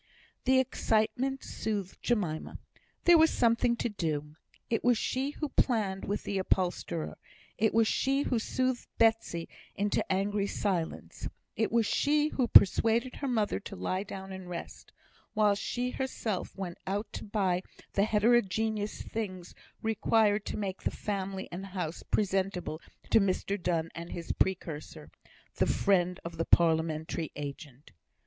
The excitement soothed Jemima. There was something to do. It was she who planned with the upholsterer; it was she who soothed Betsy into angry silence; it was she who persuaded her mother to lie down and rest, while she herself went out to buy the heterogeneous things required to make the family and house presentable to Mr Donne and his precursor the friend of the parliamentary agent.